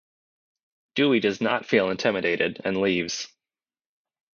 Dewey does not feel intimidated and leaves.